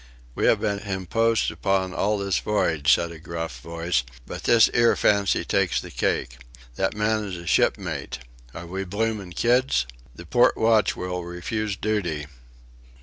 "We have been hymposed upon all this voyage," said a gruff voice, "but this 'ere fancy takes the cake." "That man is a shipmate." "Are we bloomin' kids?" "The port watch will refuse duty."